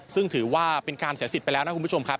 ซึ่งถือว่าเป็นการเสียสิทธิ์ไปแล้วนะคุณผู้ชมครับ